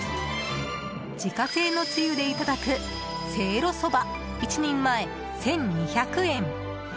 自家製のつゆでいただくせいろそば、１人前１２００円。